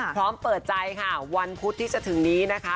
พร้อมเปิดใจค่ะวันพุธที่จะถึงนี้นะคะ